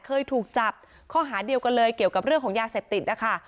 เคยถูกจับข้อหาเดียวกันเลยเกี่ยวกับเรื่องของยาเสพติดนะคะ